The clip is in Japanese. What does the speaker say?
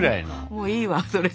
もういいわそれ。